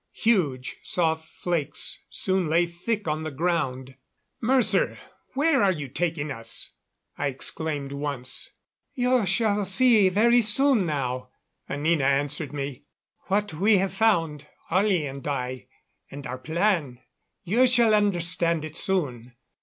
Huge, soft flakes soon lay thick on the ground. "Mercer, where are you taking us?" I exclaimed once. "You shall see very soon now," Anina answered me. "What we have found, Ollie and I and our plan you shall understand it soon."